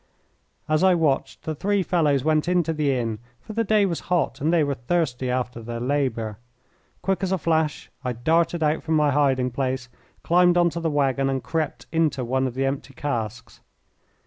As I watched, the three fellows went into the inn, for the day was hot and they were thirsty after their labour. Quick as a flash I darted out from my hiding place, climbed on to the waggon, and crept into one of the empty casks.